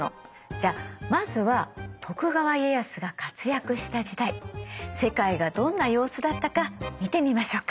じゃあまずは徳川家康が活躍した時代世界がどんな様子だったか見てみましょうか。